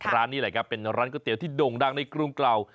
ร้านนี้แหละครับเป็นร้านก๋วยเตี๋ยวที่โด่งดังในกรุงเก่า